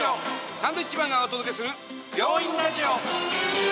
サンドウィッチマンがお届けする「病院ラジオ」。